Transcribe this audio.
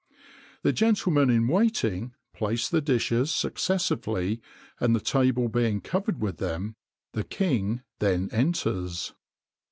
The gentlemen in waiting place the dishes successively, and the table being covered with them, the king then enters.